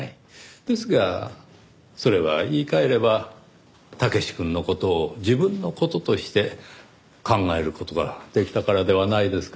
ですがそれは言い換えれば武志くんの事を自分の事として考える事ができたからではないですか？